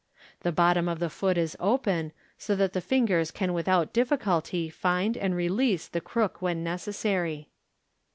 The bottom of the foot is open, so that the fingers can without difficulty find and release the crook when necessary.